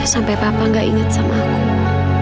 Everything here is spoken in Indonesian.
sampai papa gak ingat sama aku